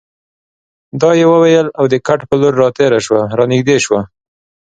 دا یې وویل او د کټ په لور راتېره شول، را نږدې شوه.